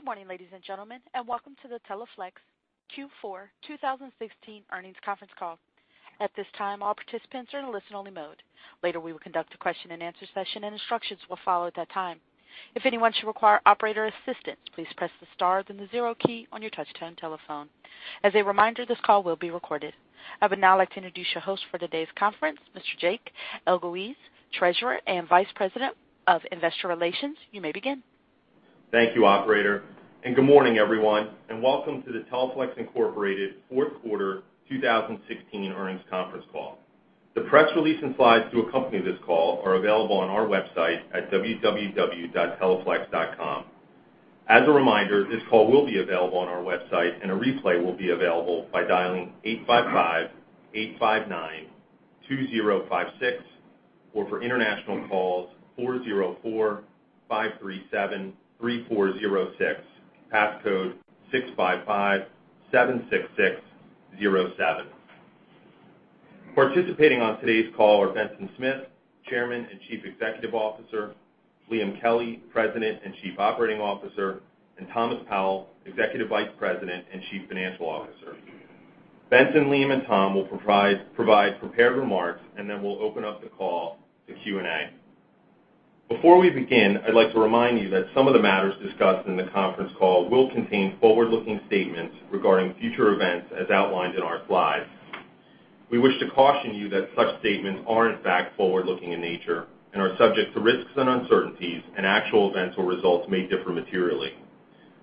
Good morning, ladies and gentlemen, and welcome to the Teleflex Q4 2016 earnings conference call. At this time, all participants are in listen-only mode. Later, we will conduct a question and answer session, and instructions will follow at that time. If anyone should require operator assistance, please press the star, then the zero key on your touchtone telephone. As a reminder, this call will be recorded. I would now like to introduce your host for today's conference, Mr. Jake Elguicze, Treasurer and Vice President of Investor Relations. You may begin. Thank you, operator. Good morning, everyone, and welcome to the Teleflex Incorporated fourth quarter 2016 earnings conference call. The press release and slides to accompany this call are available on our website at www.teleflex.com. As a reminder, this call will be available on our website, and a replay will be available by dialing 855-859-2056, or for international calls, 404-537-3406, pass code 65576607. Participating on today's call are Benson Smith, Chairman and Chief Executive Officer, Liam Kelly, President and Chief Operating Officer, and Thomas Powell, Executive Vice President and Chief Financial Officer. Benson, Liam, and Tom will provide prepared remarks. Then we'll open up the call to Q&A. Before we begin, I'd like to remind you that some of the matters discussed in the conference call will contain forward-looking statements regarding future events as outlined in our slides. We wish to caution you that such statements are in fact forward-looking in nature and are subject to risks and uncertainties. Actual events or results may differ materially.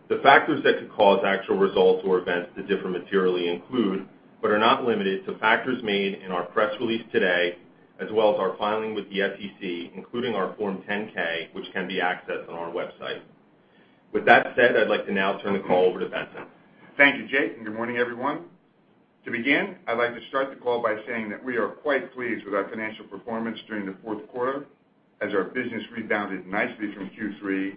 The factors that could cause actual results or events to differ materially include, but are not limited to, factors made in our press release today, as well as our filing with the SEC, including our Form 10-K, which can be accessed on our website. With that said, I'd like to now turn the call over to Benson. Thank you, Jake. Good morning, everyone. To begin, I'd like to start the call by saying that we are quite pleased with our financial performance during the fourth quarter as our business rebounded nicely from Q3.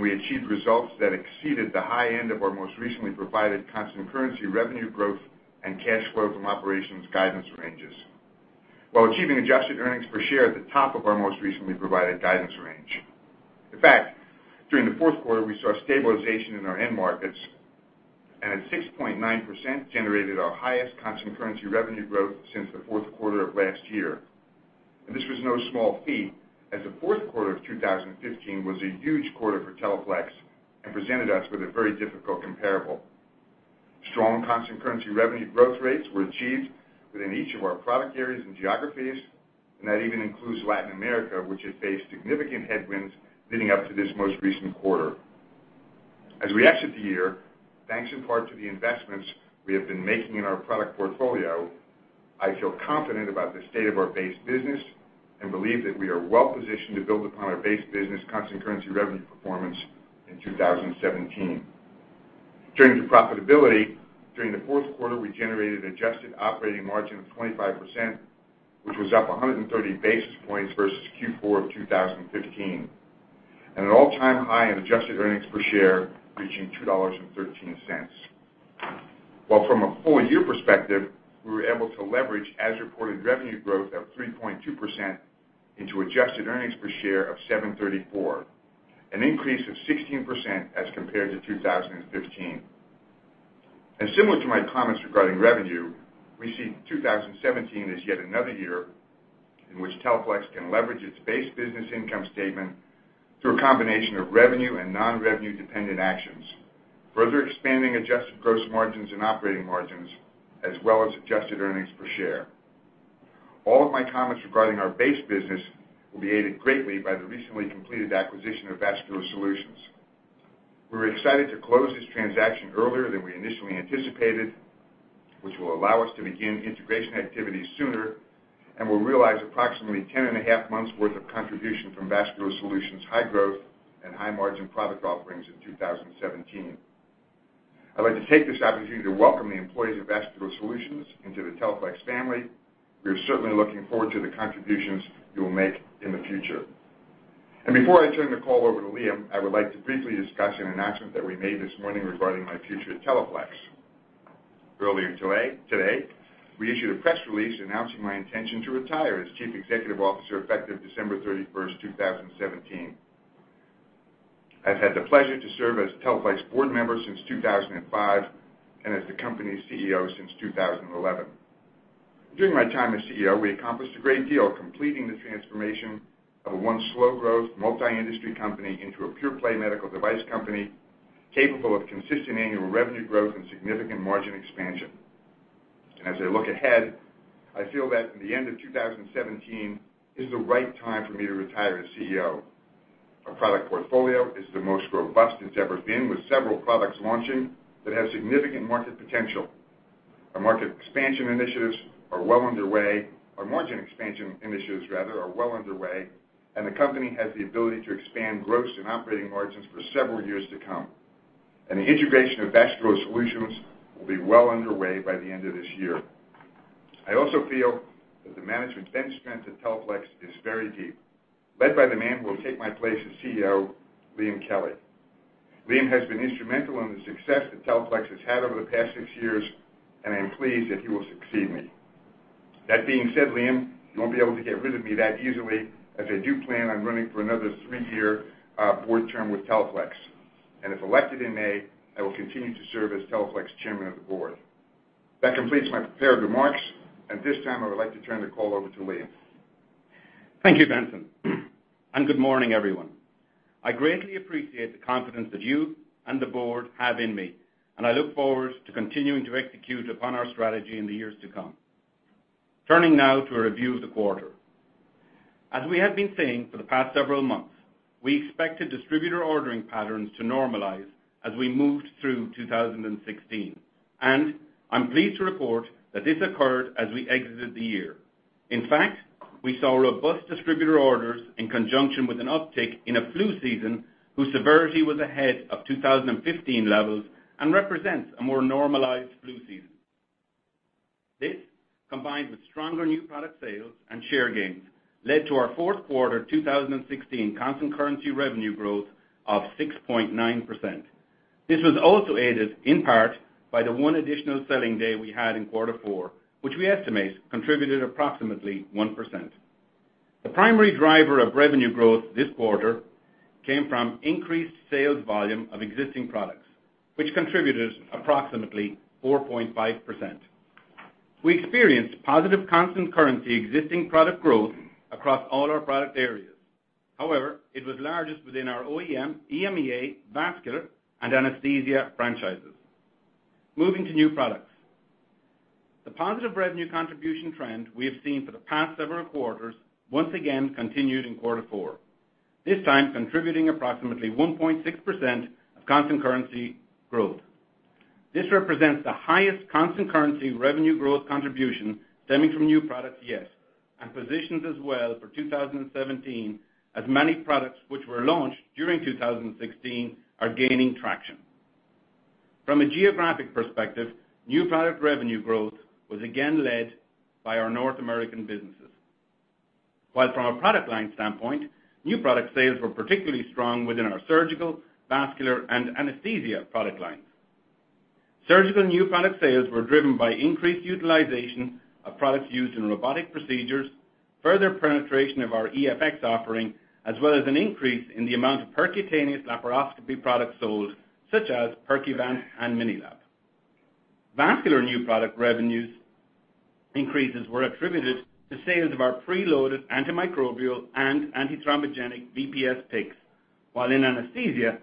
We achieved results that exceeded the high end of our most recently provided constant currency revenue growth and cash flow from operations guidance ranges, while achieving adjusted earnings per share at the top of our most recently provided guidance range. In fact, during the fourth quarter, we saw stabilization in our end markets, and at 6.9% generated our highest constant currency revenue growth since the fourth quarter of last year. This was no small feat, as the fourth quarter of 2015 was a huge quarter for Teleflex and presented us with a very difficult comparable. Strong constant currency revenue growth rates were achieved within each of our product areas and geographies. That even includes Latin America, which has faced significant headwinds leading up to this most recent quarter. As we exit the year, thanks in part to the investments we have been making in our product portfolio, I feel confident about the state of our base business and believe that we are well positioned to build upon our base business constant currency revenue performance in 2017. Turning to profitability, during the fourth quarter, we generated adjusted operating margin of 25%, which was up 130 basis points versus Q4 of 2015, an all-time high in adjusted earnings per share, reaching $2.13. While from a full-year perspective, we were able to leverage as-reported revenue growth of 3.2% into adjusted earnings per share of $7.34, an increase of 16% as compared to 2015. Similar to my comments regarding revenue, we see 2017 as yet another year in which Teleflex can leverage its base business income statement through a combination of revenue and non-revenue dependent actions, further expanding adjusted gross margins and operating margins, as well as adjusted earnings per share. All of my comments regarding our base business will be aided greatly by the recently completed acquisition of Vascular Solutions. We were excited to close this transaction earlier than we initially anticipated, which will allow us to begin integration activities sooner and will realize approximately 10 and a half months' worth of contribution from Vascular Solutions' high growth and high margin product offerings in 2017. I'd like to take this opportunity to welcome the employees of Vascular Solutions into the Teleflex family. We are certainly looking forward to the contributions you will make in the future. Before I turn the call over to Liam, I would like to briefly discuss an announcement that we made this morning regarding my future at Teleflex. Earlier today, we issued a press release announcing my intention to retire as Chief Executive Officer effective December 31st, 2017. I've had the pleasure to serve as a Teleflex board member since 2005 and as the company's CEO since 2011. During my time as CEO, we accomplished a great deal, completing the transformation of a once slow-growth, multi-industry company into a pure-play medical device company capable of consistent annual revenue growth and significant margin expansion. As I look ahead, I feel that the end of 2017 is the right time for me to retire as CEO. Our product portfolio is the most robust it's ever been, with several products launching that have significant market potential. Our margin expansion initiatives are well underway. The company has the ability to expand gross and operating margins for several years to come. The integration of Vascular Solutions will be well underway by the end of this year. I also feel that the management bench strength at Teleflex is very deep, led by the man who will take my place as CEO, Liam Kelly. Liam has been instrumental in the success that Teleflex has had over the past six years. I am pleased that he will succeed me. That being said, Liam, you won't be able to get rid of me that easily, as I do plan on running for another three-year board term with Teleflex. If elected in May, I will continue to serve as Teleflex Chairman of the Board. That completes my prepared remarks. At this time, I would like to turn the call over to Liam. Thank you, Benson. Good morning, everyone. I greatly appreciate the confidence that you and the board have in me, and I look forward to continuing to execute upon our strategy in the years to come. Turning now to a review of the quarter. As we have been saying for the past several months, we expect the distributor ordering patterns to normalize as we moved through 2016. I am pleased to report that this occurred as we exited the year. In fact, we saw robust distributor orders in conjunction with an uptick in a flu season whose severity was ahead of 2015 levels and represents a more normalized flu season. This, combined with stronger new product sales and share gains, led to our fourth quarter 2016 constant currency revenue growth of 6.9%. This was also aided, in part, by the one additional selling day we had in quarter four, which we estimate contributed approximately 1%. The primary driver of revenue growth this quarter came from increased sales volume of existing products, which contributed approximately 4.5%. We experienced positive constant currency existing product growth across all our product areas. However, it was largest within our OEM, EMEA, vascular, and anesthesia franchises. Moving to new products. The positive revenue contribution trend we have seen for the past several quarters once again continued in quarter four, this time contributing approximately 1.6% of constant currency growth. This represents the highest constant currency revenue growth contribution stemming from new products yet, and positions us well for 2017, as many products which were launched during 2016 are gaining traction. From a geographic perspective, new product revenue growth was again led by our North American businesses. While from a product line standpoint, new product sales were particularly strong within our surgical, vascular, and anesthesia product lines. Surgical new product sales were driven by increased utilization of products used in robotic procedures, further penetration of our EFx offering, as well as an increase in the amount of percutaneous laparoscopy products sold, such as Percuvance and MiniLap. Vascular new product revenues increases were attributed to sales of our preloaded antimicrobial and antithrombogenic BPS PICCs. While in anesthesia,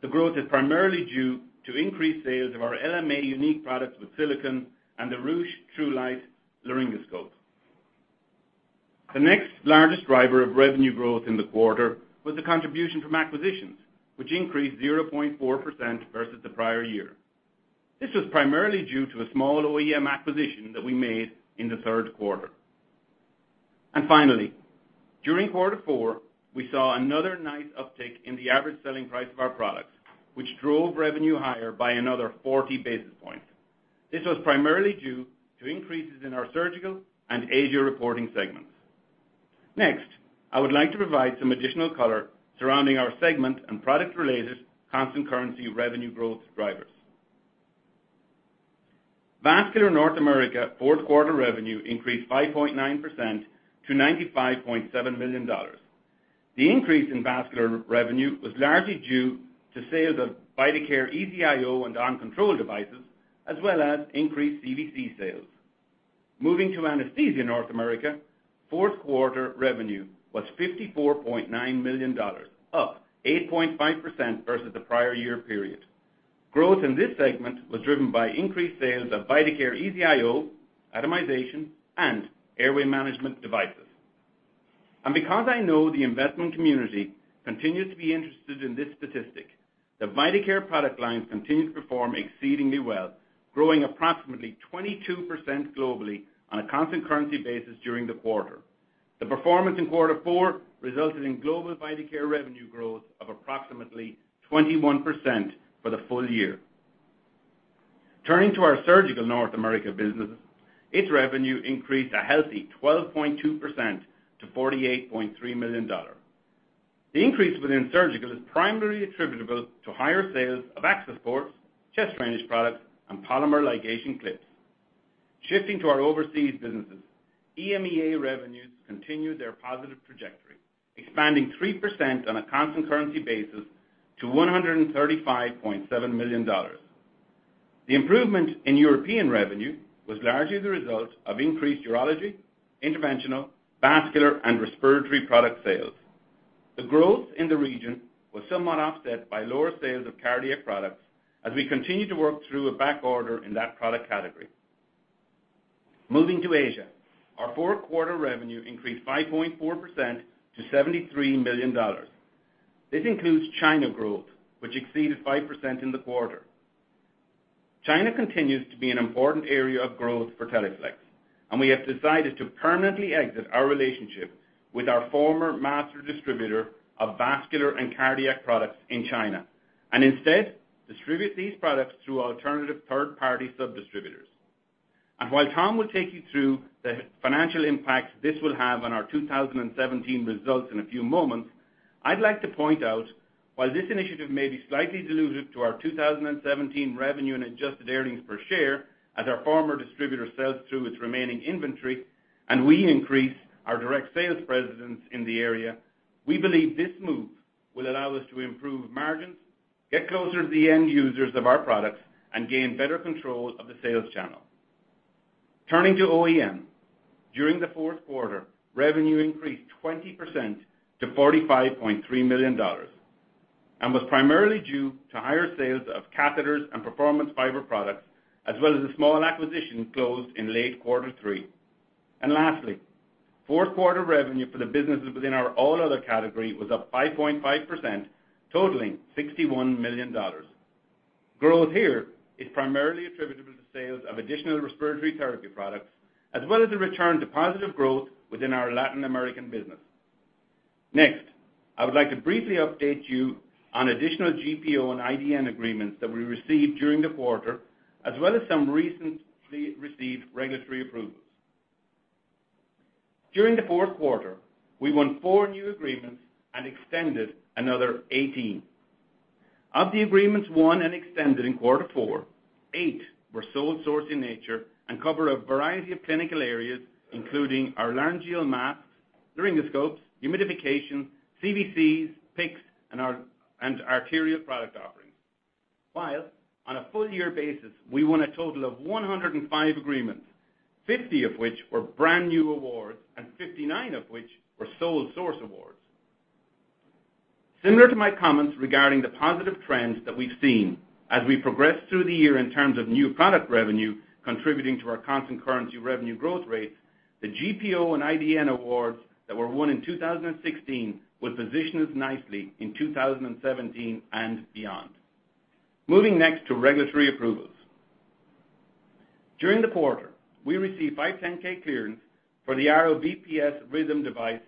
the growth is primarily due to increased sales of our LMA unique products with silicone and the Rüsch TruLite laryngoscope. The next largest driver of revenue growth in the quarter was the contribution from acquisitions, which increased 0.4% versus the prior year. This was primarily due to a small OEM acquisition that we made in the third quarter. Finally, during quarter four, we saw another nice uptick in the average selling price of our products, which drove revenue higher by another 40 basis points. This was primarily due to increases in our Surgical and Asia reporting segments. Next, I would like to provide some additional color surrounding our segment and product-related constant currency revenue growth drivers. Vascular North America fourth quarter revenue increased 5.9% to $95.7 million. The increase in vascular revenue was largely due to sales of VitalCare EZ-IO and OnControl devices, as well as increased CVC sales. Moving to Anesthesia North America, fourth quarter revenue was $54.9 million, up 8.5% versus the prior year period. Growth in this segment was driven by increased sales of VitalCare EZ-IO, atomization, and airway management devices. Because I know the investment community continues to be interested in this statistic, the VitalCare product line continues to perform exceedingly well, growing approximately 22% globally on a constant currency basis during the quarter. The performance in quarter four resulted in global VitalCare revenue growth of approximately 21% for the full year. Turning to our Surgical North America business, its revenue increased a healthy 12.2% to $48.3 million. The increase within Surgical is primarily attributable to higher sales of access ports, chest drainage products, and polymer ligation clips. Shifting to our overseas businesses, EMEA revenues continued their positive trajectory, expanding 3% on a constant currency basis to $135.7 million. The improvement in European revenue was largely the result of increased urology, interventional, vascular, and respiratory product sales. The growth in the region was somewhat offset by lower sales of cardiac products as we continue to work through a backorder in that product category. Moving to Asia, our fourth quarter revenue increased 5.4% to $73 million. This includes China growth, which exceeded 5% in the quarter. China continues to be an important area of growth for Teleflex, we have decided to permanently exit our relationship with our former master distributor of vascular and cardiac products in China, and instead distribute these products through alternative third-party sub-distributors. While Tom will take you through the financial impact this will have on our 2017 results in a few moments, I'd like to point out, while this initiative may be slightly dilutive to our 2017 revenue and adjusted earnings per share, as our former distributor sells through its remaining inventory, and we increase our direct sales presence in the area, we believe this move will allow us to improve margins, get closer to the end users of our products, and gain better control of the sales channel. Turning to OEM. During the fourth quarter, revenue increased 20% to $45.3 million, and was primarily due to higher sales of catheters and performance fiber products, as well as a small acquisition closed in late quarter three. Lastly, fourth quarter revenue for the businesses within our all other category was up 5.5%, totaling $61 million. Growth here is primarily attributable to sales of additional respiratory therapy products, as well as a return to positive growth within our Latin American business. I would like to briefly update you on additional GPO and IDN agreements that we received during the quarter, as well as some recently received regulatory approvals. During the fourth quarter, we won four new agreements and extended another 18. Of the agreements won and extended in quarter four, eight were sole source in nature and cover a variety of clinical areas, including our laryngeal masks, laryngoscopes, humidification, CVCs, PICCs, and arterial product offerings. While on a full year basis, we won a total of 105 agreements. 50 of which were brand-new awards, and 59 of which were sole source awards. Similar to my comments regarding the positive trends that we've seen as we progress through the year in terms of new product revenue contributing to our constant currency revenue growth rates, the GPO and IDN awards that were won in 2016 would position us nicely in 2017 and beyond. Moving next to regulatory approvals. During the quarter, we received 510 clearance for the Arrow VPS Rhythm Device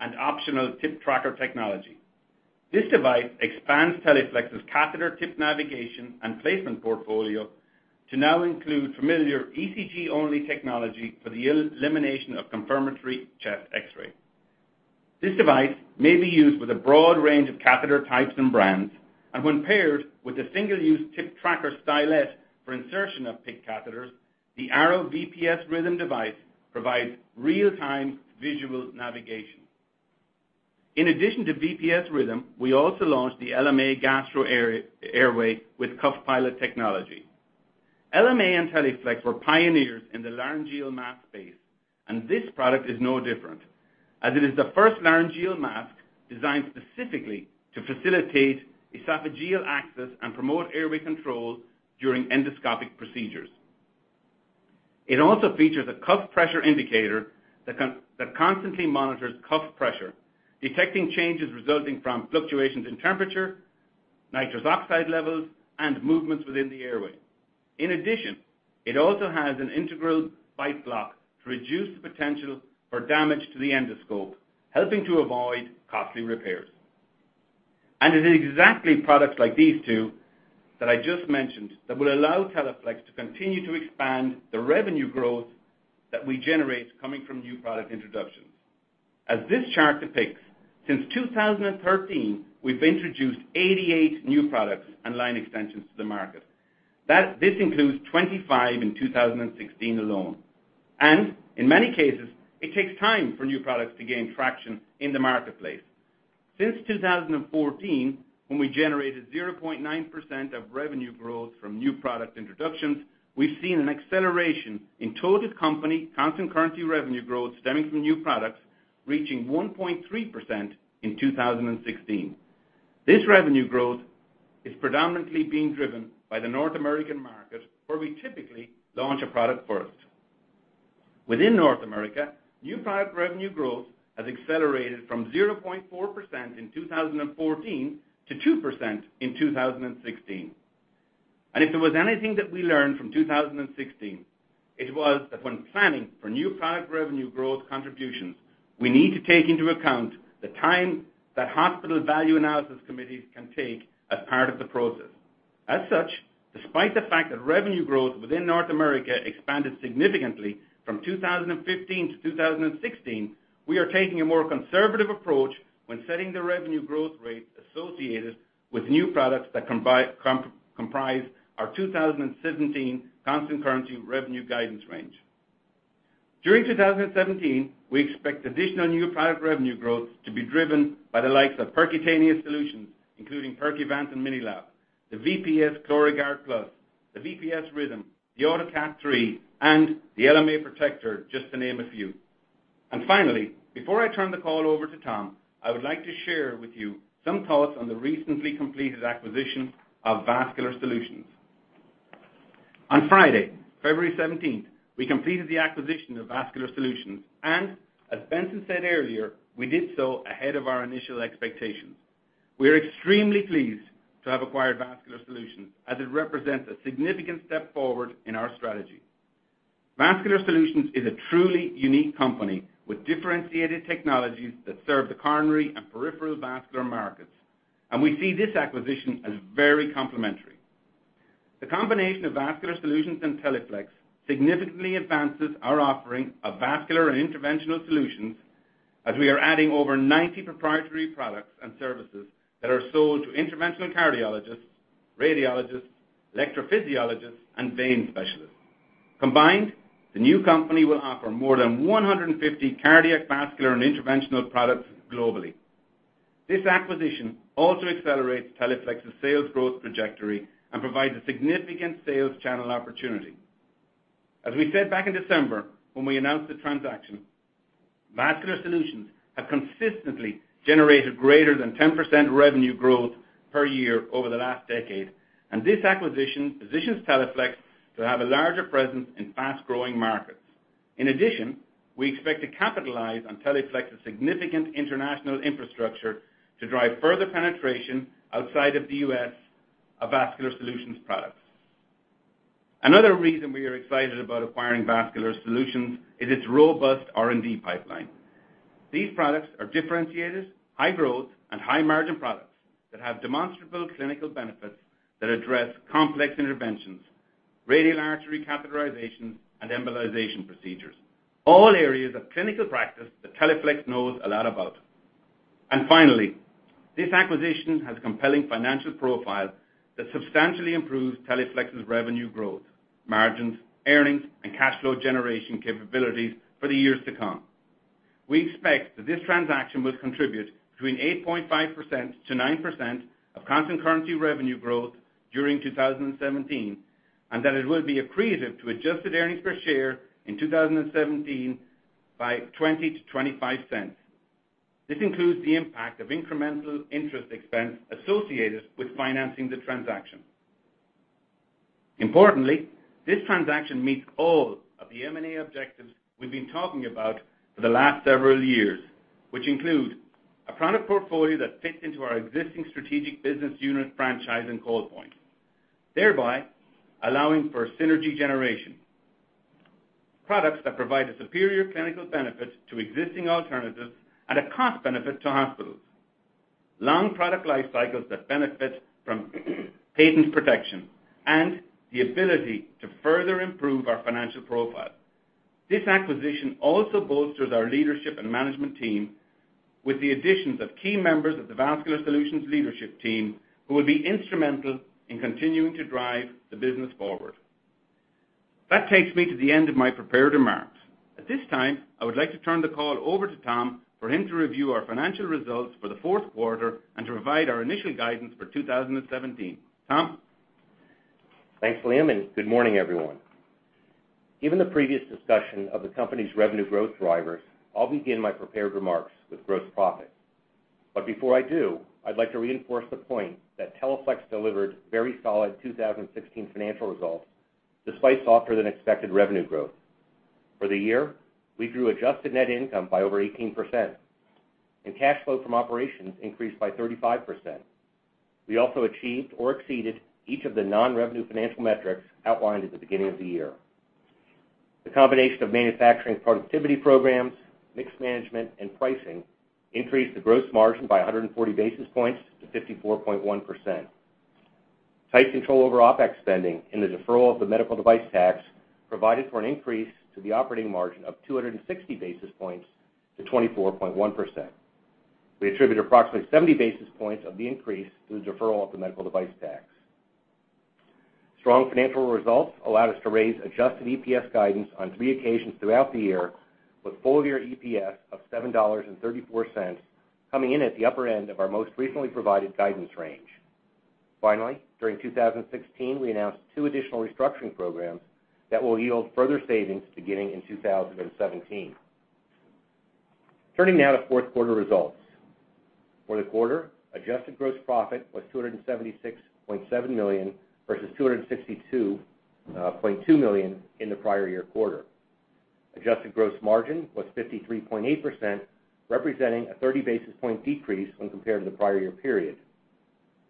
and optional TipTracker technology. This device expands Teleflex's catheter tip navigation and placement portfolio to now include familiar ECG-only technology for the elimination of confirmatory chest X-ray. This device may be used with a broad range of catheter types and brands, and when paired with a single-use TipTracker stylet for insertion of PICC catheters, the Arrow VPS Rhythm Device provides real-time visual navigation. In addition to VPS Rhythm, we also launched the LMA Gastro Airway with Cuff Pilot Technology. LMA and Teleflex were pioneers in the laryngeal mask space, and this product is no different, as it is the first laryngeal mask designed specifically to facilitate esophageal access and promote airway control during endoscopic procedures. It also features a cuff pressure indicator that constantly monitors cuff pressure, detecting changes resulting from fluctuations in temperature, nitrous oxide levels, and movements within the airway. In addition, it also has an integral bite block to reduce the potential for damage to the endoscope, helping to avoid costly repairs. It is exactly products like these two that I just mentioned that will allow Teleflex to continue to expand the revenue growth that we generate coming from new product introductions. As this chart depicts, since 2013, we've introduced 88 new products and line extensions to the market. This includes 25 in 2016 alone. In many cases, it takes time for new products to gain traction in the marketplace. Since 2014, when we generated 0.9% of revenue growth from new product introductions, we've seen an acceleration in total company constant currency revenue growth stemming from new products reaching 1.3% in 2016. This revenue growth is predominantly being driven by the North American market, where we typically launch a product first. Within North America, new product revenue growth has accelerated from 0.4% in 2014 to 2% in 2016. If there was anything that we learned from 2016, it was that when planning for new product revenue growth contributions, we need to take into account the time that hospital value analysis committees can take as part of the process. As such, despite the fact that revenue growth within North America expanded significantly from 2015 to 2016, we are taking a more conservative approach when setting the revenue growth rates associated with new products that comprise our 2017 constant currency revenue guidance range. During 2017, we expect additional new product revenue growth to be driven by the likes of Percutaneous Solutions, including Percuvance and MiniLap, the VPS Chlorag ard Plus, the VPS Rhythm, the AC3 Optimus, and the LMA Protector, just to name a few. Finally, before I turn the call over to Tom, I would like to share with you some thoughts on the recently completed acquisition of Vascular Solutions. On Friday, February 17th, we completed the acquisition of Vascular Solutions, and as Benson said earlier, we did so ahead of our initial expectations. We are extremely pleased to have acquired Vascular Solutions as it represents a significant step forward in our strategy. Vascular Solutions is a truly unique company with differentiated technologies that serve the coronary and peripheral vascular markets, and we see this acquisition as very complementary. The combination of Vascular Solutions and Teleflex significantly advances our offering of vascular and interventional solutions as we are adding over 90 proprietary products and services that are sold to interventional cardiologists, radiologists, electrophysiologists, and vein specialists. Combined, the new company will offer more than 150 cardiac, vascular, and interventional products globally. This acquisition also accelerates Teleflex's sales growth trajectory and provides a significant sales channel opportunity. As we said back in December when we announced the transaction, Vascular Solutions have consistently generated greater than 10% revenue growth per year over the last decade, and this acquisition positions Teleflex to have a larger presence in fast-growing markets. In addition, we expect to capitalize on Teleflex's significant international infrastructure to drive further penetration outside of the U.S. of Vascular Solutions products. Another reason we are excited about acquiring Vascular Solutions is its robust R&D pipeline. These products are differentiated, high-growth, and high-margin products that have demonstrable clinical benefits that address complex interventions, radial artery catheterizations, and embolization procedures, all areas of clinical practice that Teleflex knows a lot about. Finally, this acquisition has a compelling financial profile that substantially improves Teleflex's revenue growth, margins, earnings, and cash flow generation capabilities for the years to come. We expect that this transaction will contribute between 8.5%-9% of constant currency revenue growth during 2017, and that it will be accretive to adjusted earnings per share in 2017 by $0.20-$0.25. This includes the impact of incremental interest expense associated with financing the transaction. Importantly, this transaction meets all of the M&A objectives we've been talking about for the last several years, which include a product portfolio that fits into our existing strategic business unit franchise and call point, thereby allowing for synergy generation. Products that provide a superior clinical benefit to existing alternatives and a cost benefit to hospitals. Long product life cycles that benefit from patent protection, and the ability to further improve our financial profile. This acquisition also bolsters our leadership and management team with the additions of key members of the Vascular Solutions leadership team who will be instrumental in continuing to drive the business forward. That takes me to the end of my prepared remarks. At this time, I would like to turn the call over to Tom for him to review our financial results for the fourth quarter and to provide our initial guidance for 2017. Tom? Thanks, Liam, and good morning, everyone. Given the previous discussion of the company's revenue growth drivers, I'll begin my prepared remarks with gross profit. Before I do, I'd like to reinforce the point that Teleflex delivered very solid 2016 financial results despite softer than expected revenue growth. For the year, we grew adjusted net income by over 18% and cash flow from operations increased by 35%. We also achieved or exceeded each of the non-revenue financial metrics outlined at the beginning of the year. The combination of manufacturing productivity programs, mixed management, and pricing increased the gross margin by 140 basis points to 54.1%. Tight control over OpEx spending and the deferral of the medical device tax provided for an increase to the operating margin of 260 basis points to 24.1%. We attribute approximately 70 basis points of the increase to the deferral of the medical device tax. Strong financial results allowed us to raise adjusted EPS guidance on three occasions throughout the year, with full-year EPS of $7.34 coming in at the upper end of our most recently provided guidance range. Finally, during 2016, we announced two additional restructuring programs that will yield further savings beginning in 2017. Turning now to fourth quarter results. For the quarter, adjusted gross profit was $276.7 million, versus $262.2 million in the prior year quarter. Adjusted gross margin was 53.8%, representing a 30 basis point decrease when compared to the prior year period.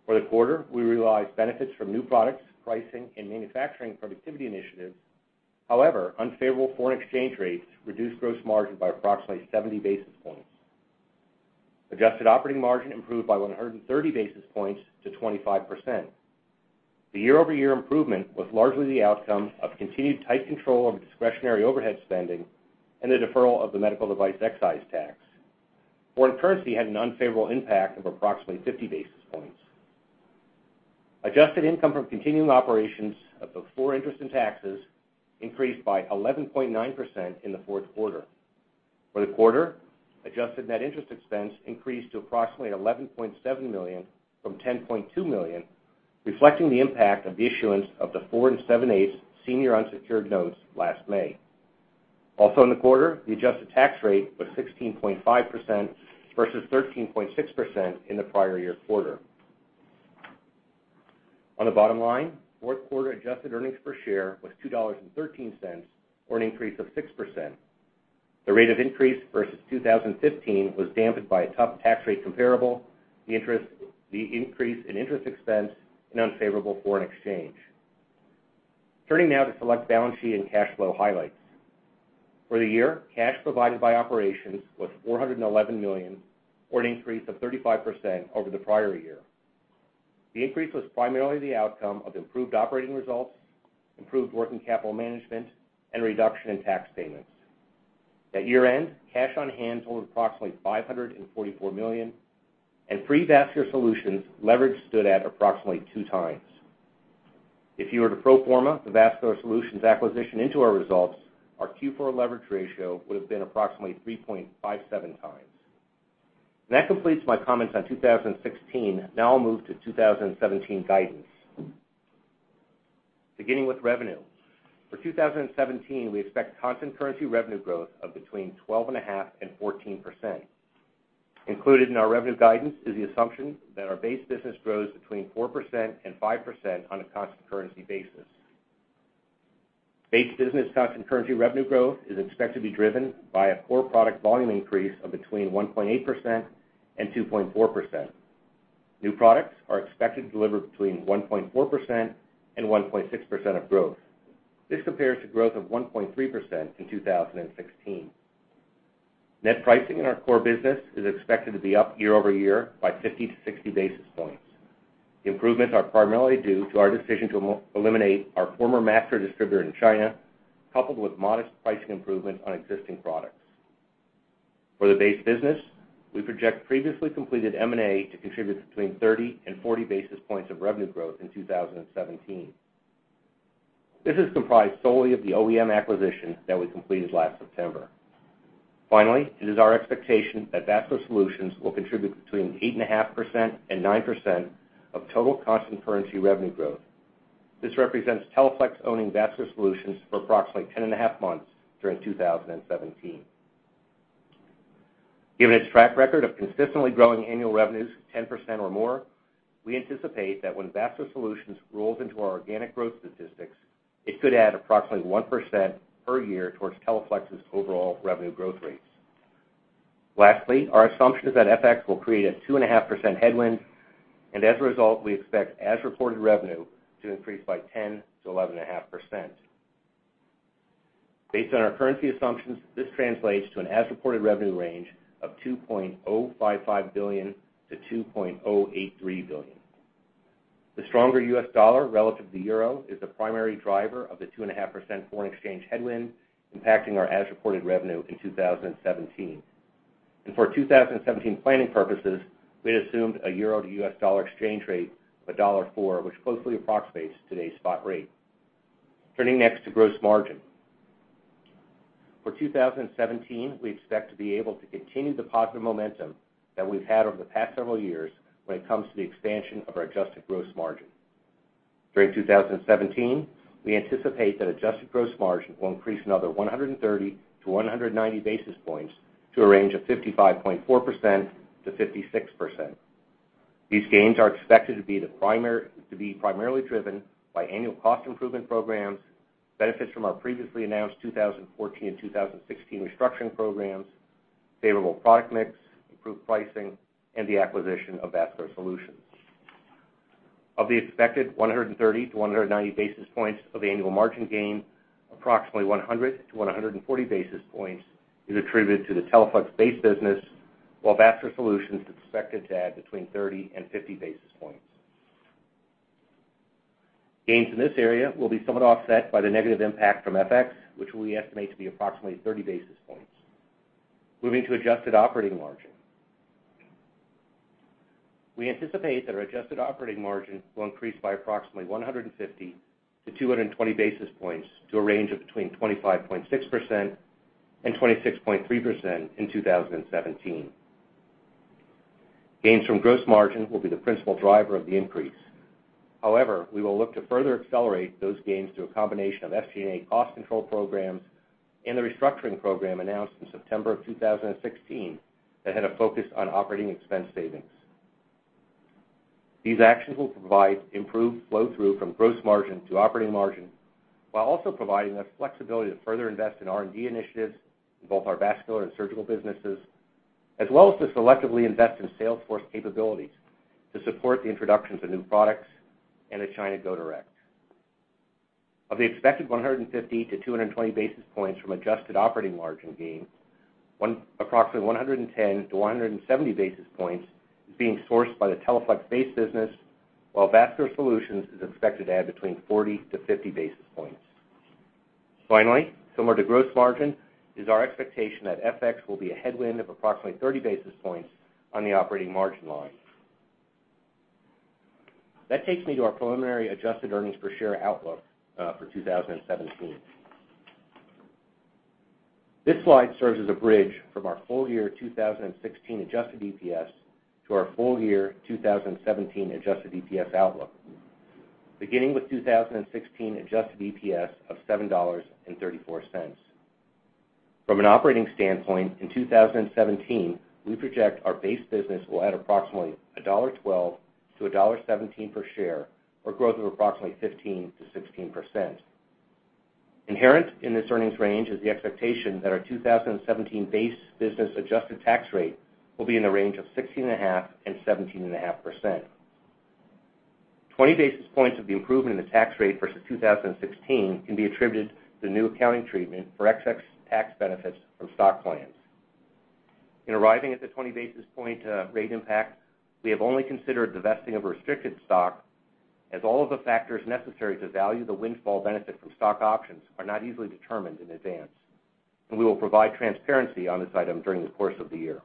For the quarter, we realized benefits from new products, pricing, and manufacturing productivity initiatives. However, unfavorable foreign exchange rates reduced gross margin by approximately 70 basis points. Adjusted operating margin improved by 130 basis points to 25%. The year-over-year improvement was largely the outcome of continued tight control over discretionary overhead spending and the deferral of the medical device excise tax. Foreign currency had an unfavorable impact of approximately 50 basis points. Adjusted income from continuing operations before interest and taxes increased by 11.9% in the fourth quarter. For the quarter, adjusted net interest expense increased to approximately $11.7 million from $10.2 million, reflecting the impact of the issuance of the four and seven-eighths senior unsecured notes last May. Also in the quarter, the adjusted tax rate was 16.5% versus 13.6% in the prior year's quarter. On the bottom line, fourth quarter adjusted earnings per share was $2.13, or an increase of 6%. The rate of increase versus 2015 was dampened by a tough tax rate comparable, the increase in interest expense, and unfavorable foreign exchange. Turning now to select balance sheet and cash flow highlights. For the year, cash provided by operations was $411 million, or an increase of 35% over the prior year. The increase was primarily the outcome of improved operating results, improved working capital management, and a reduction in tax payments. At year-end, cash on hand totaled approximately $544 million, and pre-Vascular Solutions leverage stood at approximately two times. If you were to pro forma the Vascular Solutions acquisition into our results, our Q4 leverage ratio would have been approximately 3.57 times. That completes my comments on 2016. Now I'll move to 2017 guidance. Beginning with revenue. For 2017, we expect constant currency revenue growth of between 12.5% and 14%. Included in our revenue guidance is the assumption that our base business grows between 4% and 5% on a constant currency basis. Base business constant currency revenue growth is expected to be driven by a core product volume increase of between 1.8% and 2.4%. New products are expected to deliver between 1.4% and 1.6% of growth. This compares to growth of 1.3% in 2016. Net pricing in our core business is expected to be up year-over-year by 50 to 60 basis points. The improvements are primarily due to our decision to eliminate our former master distributor in China, coupled with modest pricing improvements on existing products. For the base business, we project previously completed M&A to contribute between 30 and 40 basis points of revenue growth in 2017. This is comprised solely of the OEM acquisition that we completed last September. Finally, it is our expectation that Vascular Solutions will contribute between 8.5% and 9% of total constant currency revenue growth. This represents Teleflex owning Vascular Solutions for approximately 10 and a half months during 2017. Given its track record of consistently growing annual revenues 10% or more, we anticipate that when Vascular Solutions rolls into our organic growth statistics, it could add approximately 1% per year towards Teleflex's overall revenue growth rates. Lastly, our assumption is that FX will create a 2.5% headwind. As a result, we expect as-reported revenue to increase by 10% to 11.5%. Based on our currency assumptions, this translates to an as-reported revenue range of $2.055 billion-$2.083 billion. The stronger US dollar relative to the euro is the primary driver of the 2.5% foreign exchange headwind impacting our as-reported revenue in 2017. For 2017 planning purposes, we had assumed a euro to US dollar exchange rate of $1.04, which closely approximates today's spot rate. Turning next to gross margin. For 2017, we expect to be able to continue the positive momentum that we've had over the past several years when it comes to the expansion of our adjusted gross margin. During 2017, we anticipate that adjusted gross margin will increase another 130 to 190 basis points, to a range of 55.4% to 56%. These gains are expected to be primarily driven by annual cost improvement programs, benefits from our previously announced 2014 and 2016 restructuring programs, favorable product mix, improved pricing, and the acquisition of Vascular Solutions. Of the expected 130 to 190 basis points of annual margin gain, approximately 100 to 140 basis points is attributed to the Teleflex base business, while Vascular Solutions is expected to add between 30 and 50 basis points. Gains in this area will be somewhat offset by the negative impact from FX, which we estimate to be approximately 30 basis points. Moving to adjusted operating margin. We anticipate that our adjusted operating margin will increase by approximately 150 to 220 basis points, to a range of between 25.6% and 26.3% in 2017. Gains from gross margin will be the principal driver of the increase. However, we will look to further accelerate those gains through a combination of SG&A cost control programs and the restructuring program announced in September of 2016 that had a focus on operating expense savings. These actions will provide improved flow-through from gross margin to operating margin while also providing us flexibility to further invest in R&D initiatives in both our Vascular and Surgical businesses, as well as to selectively invest in sales force capabilities to support the introductions of new products and the China go direct. Of the expected 150 to 220 basis points from adjusted operating margin gains, approximately 110 to 170 basis points is being sourced by the Teleflex base business, while Vascular Solutions is expected to add between 40 to 50 basis points. Finally, similar to gross margin, it is our expectation that FX will be a headwind of approximately 30 basis points on the operating margin line. That takes me to our preliminary adjusted earnings per share outlook for 2017. This slide serves as a bridge from our full year 2016 adjusted EPS to our full year 2017 adjusted EPS outlook. Beginning with 2016 adjusted EPS of $7.34. From an operating standpoint, in 2017, we project our base business will add approximately $1.12 to $1.17 per share, or growth of approximately 15%-16%. Inherent in this earnings range is the expectation that our 2017 base business adjusted tax rate will be in the range of 16.5% and 17.5%. 20 basis points of the improvement in the tax rate versus 2016 can be attributed to the new accounting treatment for excess tax benefits from stock plans. In arriving at the 20 basis point rate impact, we have only considered the vesting of restricted stock, as all of the factors necessary to value the windfall benefit from stock options are not easily determined in advance, and we will provide transparency on this item during the course of the year.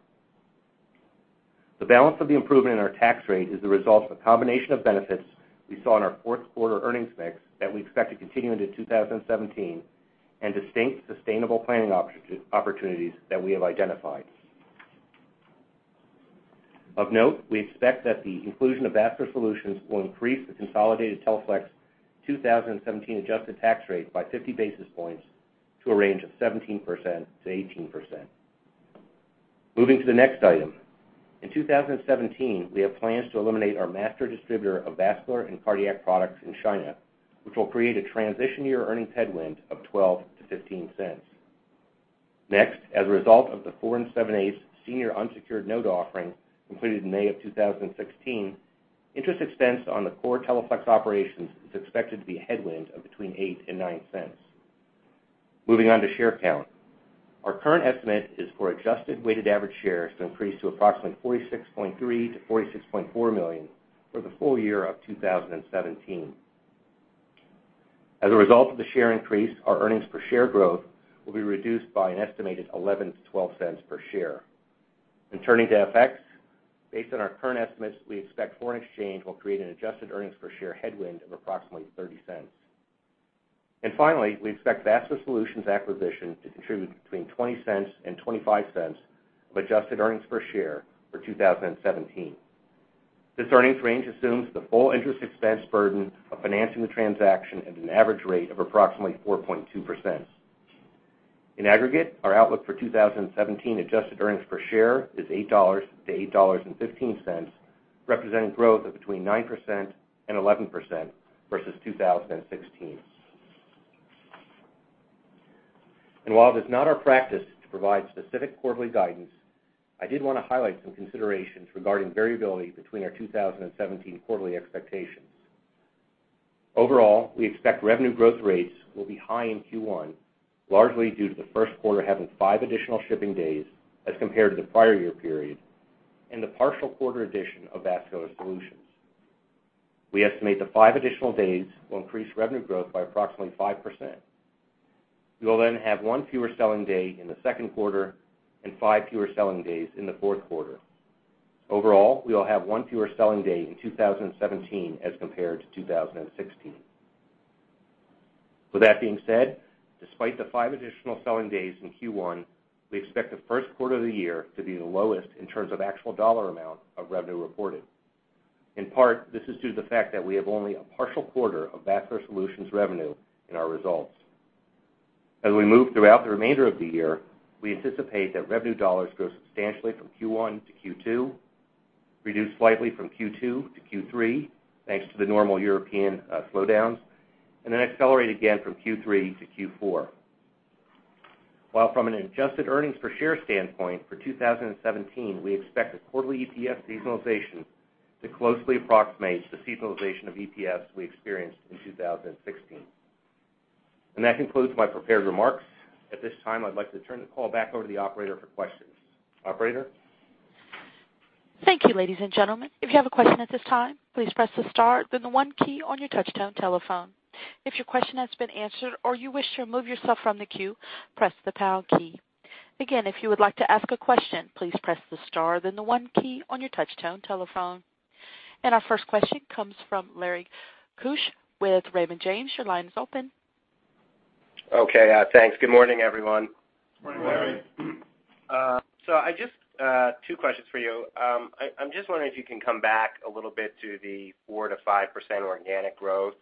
The balance of the improvement in our tax rate is the result of a combination of benefits we saw in our fourth quarter earnings mix that we expect to continue into 2017 and distinct, sustainable planning opportunities that we have identified. Of note, we expect that the inclusion of Vascular Solutions will increase the consolidated Teleflex 2017 adjusted tax rate by 50 basis points to a range of 17%-18%. Moving to the next item. In 2017, we have plans to eliminate our master distributor of vascular and cardiac products in China, which will create a transition-year earnings headwind of $0.12 to $0.15. Next, as a result of the four and seven-eighths senior unsecured note offering completed in May of 2016, interest expense on the core Teleflex operations is expected to be a headwind of between $0.08 and $0.09. Moving on to share count. Our current estimate is for adjusted weighted average shares to increase to approximately 46.3 million-46.4 million for the full year of 2017. As a result of the share increase, our earnings per share growth will be reduced by an estimated $0.11-$0.12 per share. Turning to FX. Based on our current estimates, we expect foreign exchange will create an adjusted earnings per share headwind of approximately $0.30. Finally, we expect Vascular Solutions acquisition to contribute between $0.20 and $0.25 of adjusted earnings per share for 2017. This earnings range assumes the full interest expense burden of financing the transaction at an average rate of approximately 4.2%. In aggregate, our outlook for 2017 adjusted earnings per share is $8.00-$8.15, representing growth of between 9%-11% versus 2016. While it is not our practice to provide specific quarterly guidance, I did want to highlight some considerations regarding variability between our 2017 quarterly expectations. Overall, we expect revenue growth rates will be high in Q1, largely due to the first quarter having five additional shipping days as compared to the prior year period and the partial quarter addition of Vascular Solutions. We estimate the five additional days will increase revenue growth by approximately 5%. We will then have one fewer selling day in the second quarter and five fewer selling days in the fourth quarter. Overall, we will have one fewer selling day in 2017 as compared to 2016. That being said, despite the five additional selling days in Q1, we expect the first quarter of the year to be the lowest in terms of actual dollar amount of revenue reported. In part, this is due to the fact that we have only a partial quarter of Vascular Solutions revenue in our results. As we move throughout the remainder of the year, we anticipate that revenue dollars grow substantially from Q1 to Q2, reduce slightly from Q2 to Q3, thanks to the normal European slowdowns, then accelerate again from Q3 to Q4. While from an adjusted earnings per share standpoint for 2017, we expect the quarterly EPS seasonalization to closely approximate the seasonalization of EPS we experienced in 2016. That concludes my prepared remarks. At this time, I'd like to turn the call back over to the operator for questions. Operator? Thank you, ladies and gentlemen. If you have a question at this time, please press the star, then the one key on your touchtone telephone. If your question has been answered or you wish to remove yourself from the queue, press the pound key. Again, if you would like to ask a question, please press the star then the one key on your touchtone telephone. Our first question comes from Lawrence Keusch with Raymond James. Your line is open. Okay, thanks. Good morning, everyone. Good morning. I just have two questions for you. I'm just wondering if you can come back a little bit to the 4%-5% organic growth.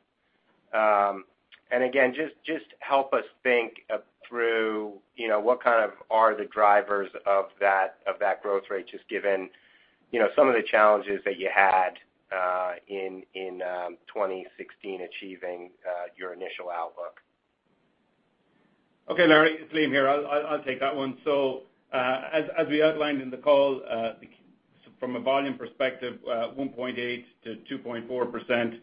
Again, just help us think through what kind of are the drivers of that growth rate, just given some of the challenges that you had in 2016 achieving your initial outlook. Okay, Larry, it's Liam here. I'll take that one. As we outlined in the call, from a volume perspective, 1.8%-2.4%.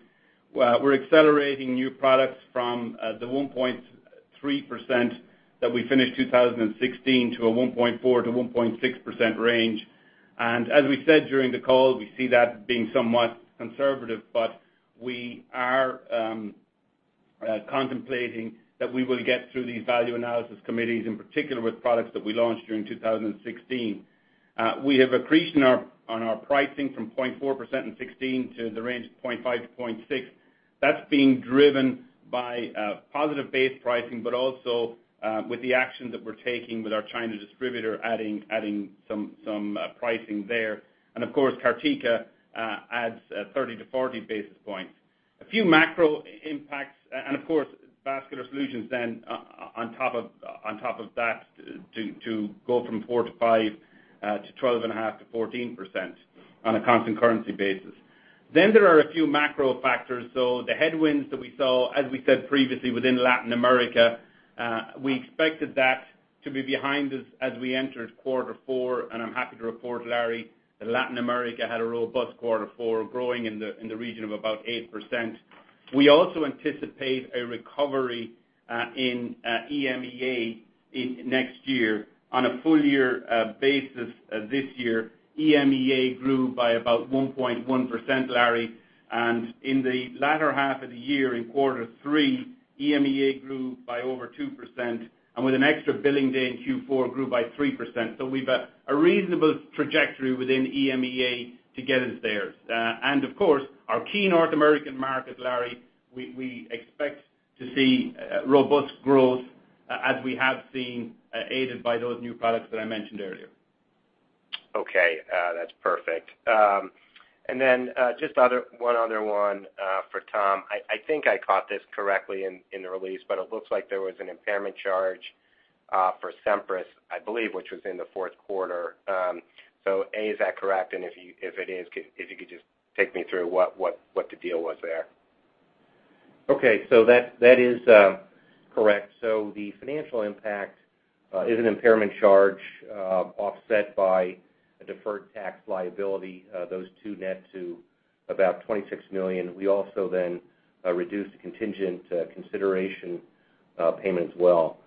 We're accelerating new products from the 1.3% that we finished 2016 to a 1.4%-1.6% range. As we said during the call, we see that being somewhat conservative, but we are contemplating that we will get through these value analysis committees, in particular with products that we launched during 2016. We have accretion on our pricing from 0.4% in 2016 to the range of 0.5%-0.6%. That's being driven by positive base pricing, but also with the actions that we're taking with our China distributor adding some pricing there. Of course, CarTika adds 30-40 basis points. A few macro impacts, of course, Vascular Solutions then on top of that to go from 4% to 5% to 12.5% to 14% on a constant currency basis. There are a few macro factors, so the headwinds that we saw, as we said previously within Latin America, we expected that To be behind us as we entered quarter four, I'm happy to report, Larry, that Latin America had a robust quarter four, growing in the region of about 8%. We also anticipate a recovery in EMEA next year. On a full year basis this year, EMEA grew by about 1.1%, Larry, in the latter half of the year, in quarter three, EMEA grew by over 2%, with an extra billing day in Q4, grew by 3%. We've a reasonable trajectory within EMEA to get us there. Of course, our key North American market, Larry, we expect to see robust growth as we have seen, aided by those new products that I mentioned earlier. That's perfect. Just one other one for Tom. I think I caught this correctly in the release, but it looks like there was an impairment charge for Semprus, I believe, which was in the fourth quarter. A, is that correct? If it is, if you could just take me through what the deal was there. That is correct. The financial impact is an impairment charge offset by a deferred tax liability. Those two net to about $26 million. We also then reduced the contingent consideration payment as well.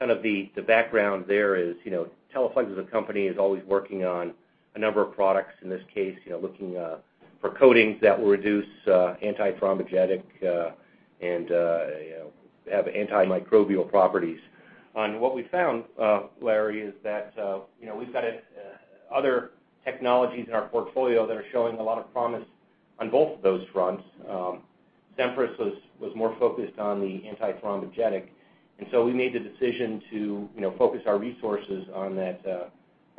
Kind of the background there is, Teleflex as a company is always working on a number of products. In this case, looking for coatings that will reduce antithrombogenic, and have antimicrobial properties. What we found, Larry, is that we've got other technologies in our portfolio that are showing a lot of promise on both of those fronts. Semprus was more focused on the antithrombogenic. We made the decision to focus our resources on that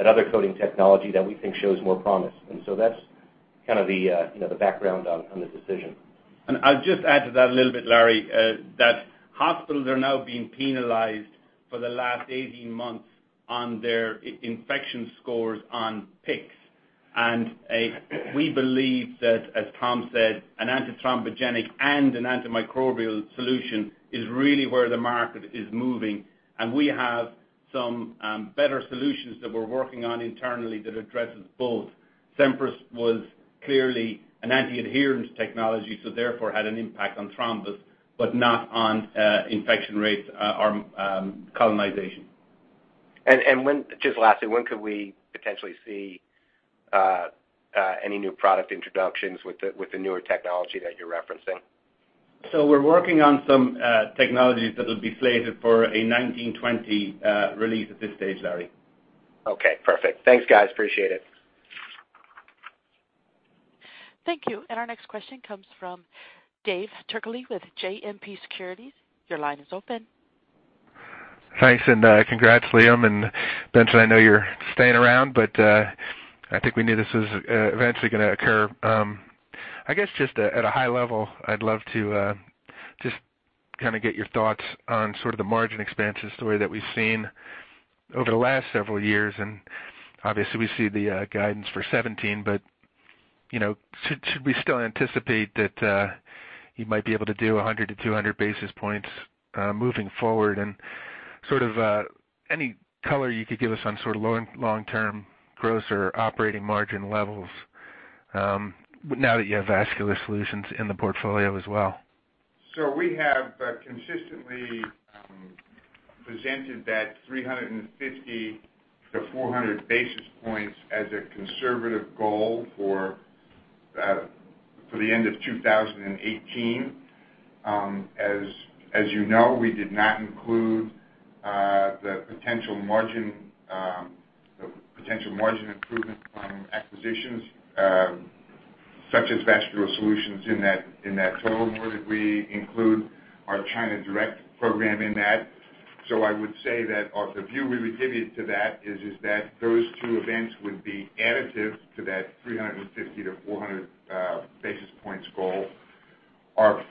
other coating technology that we think shows more promise. That's kind of the background on this decision. I'll just add to that a little bit, Larry, that hospitals are now being penalized for the last 18 months on their infection scores on PICCs. We believe that, as Tom said, an antithrombogenic and an antimicrobial solution is really where the market is moving, and we have some better solutions that we're working on internally that addresses both. Semprus was clearly an anti-adherence technology, so therefore had an impact on thrombus, but not on infection rates or colonization. Just lastly, when could we potentially see any new product introductions with the newer technology that you're referencing? We're working on some technologies that will be slated for a 2019-2020 release at this stage, Larry. Okay, perfect. Thanks, guys. Appreciate it. Thank you. Our next question comes from David Turkaly with JMP Securities. Your line is open. Thanks, congrats, Liam. Benson, I know you're staying around, but I think we knew this was eventually going to occur. I guess just at a high level, I'd love to just get your thoughts on sort of the margin expansion story that we've seen over the last several years. Obviously, we see the guidance for 2017, but should we still anticipate that you might be able to do 100 to 200 basis points moving forward? Sort of any color you could give us on sort of long-term gross or operating margin levels now that you have Vascular Solutions in the portfolio as well. We have consistently presented that 350 to 400 basis points as a conservative goal for the end of 2018. As you know, we did not include the potential margin improvement from acquisitions such as Vascular Solutions in that total, nor did we include our China direct program in that. I would say that the view we would give you to that is that those two events would be additive to that 350 to 400 basis points goal. Our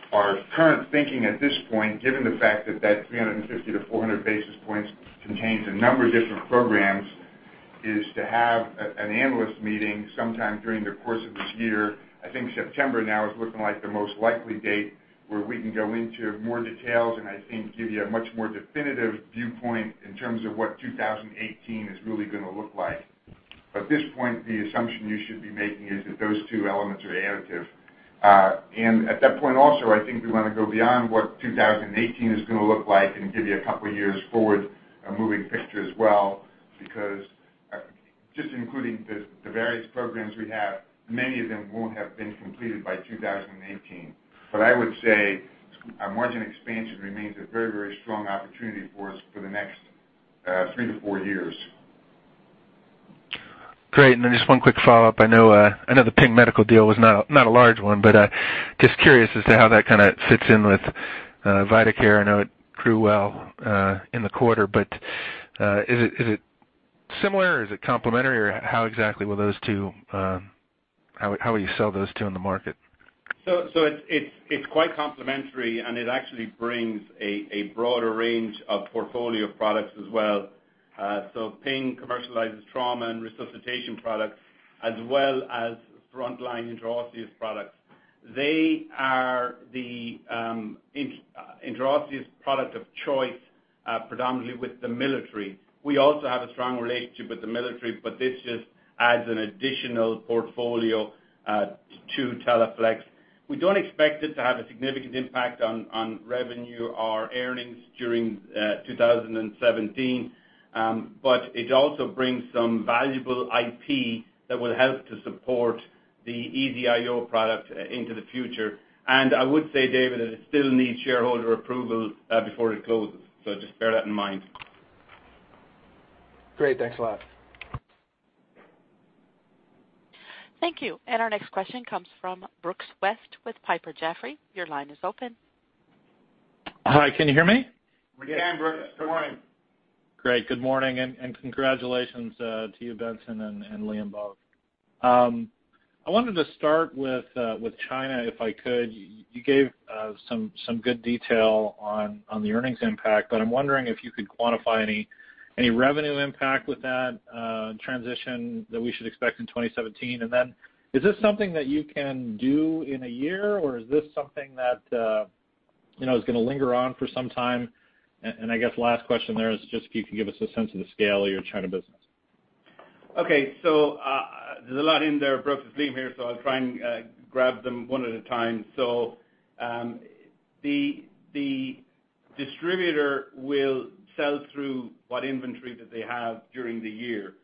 current thinking at this point, given the fact that that 350 to 400 basis points contains a number of different programs, is to have an analyst meeting sometime during the course of this year. I think September now is looking like the most likely date where we can go into more details and I think give you a much more definitive viewpoint in terms of what 2018 is really going to look like. At this point, the assumption you should be making is that those two elements are additive. At that point also, I think we want to go beyond what 2018 is going to look like and give you a couple of years forward a moving picture as well, because just including the various programs we have, many of them won't have been completed by 2018. I would say margin expansion remains a very strong opportunity for us for the next three to four years. Just one quick follow-up. I know the Pyng Medical deal was not a large one, but just curious as to how that kind of fits in with Vidacare. I know it grew well in the quarter, but is it similar, or is it complementary, or how exactly will those two in the market? It's quite complementary, and it actually brings a broader range of portfolio products as well. Pyng commercializes trauma and resuscitation products, as well as frontline intraosseous products. They are the intraosseous product of choice, predominantly with the military. We also have a strong relationship with the military, but this just adds an additional portfolio to Teleflex. We don't expect it to have a significant impact on revenue or earnings during 2017. It also brings some valuable IP that will help to support the EZ-IO product into the future. I would say, David, that it still needs shareholder approval before it closes, so just bear that in mind. Great. Thanks a lot. Thank you. Our next question comes from Brooks West with Piper Jaffray. Your line is open. Hi, can you hear me? We can, Brooks. Good morning. Great. Good morning, congratulations to you, Benson and Liam both. I wanted to start with China, if I could. You gave some good detail on the earnings impact. I'm wondering if you could quantify any revenue impact with that transition that we should expect in 2017. Is this something that you can do in a year, or is this something that is going to linger on for some time? I guess last question there is just if you could give us a sense of the scale of your China business. Okay. There's a lot in there, Brooks. It's Liam here, I'll try and grab them one at a time. The distributor will sell through what inventory that they have during the year.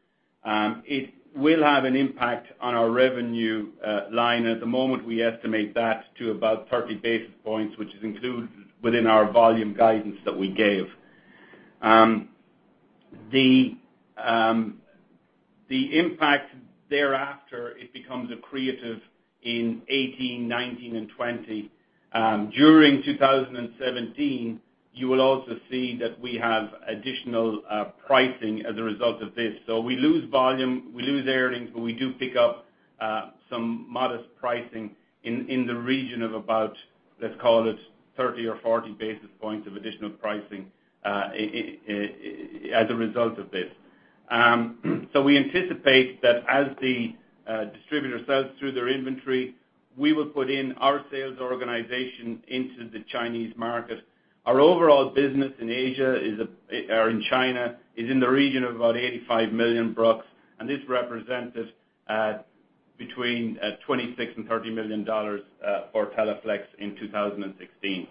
It will have an impact on our revenue line. At the moment, we estimate that to about 30 basis points, which is included within our volume guidance that we gave. The impact thereafter, it becomes accretive in 2018, 2019, and 2020. During 2017, you will also see that we have additional pricing as a result of this. We lose volume, we lose earnings, but we do pick up some modest pricing in the region of about, let's call it 30 or 40 basis points of additional pricing as a result of this. We anticipate that as the distributor sells through their inventory, we will put in our sales organization into the Chinese market. Our overall business in China is in the region of about $85 million, Brooks, this represented between $26 million-$30 million for Teleflex in 2016.